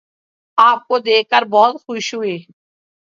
آپ کو دیکھ کر بہت خوشی ہوئی